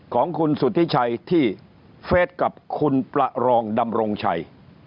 ของคุณสุธิชัยที่เฟสกับคุณประรองดำรงชัย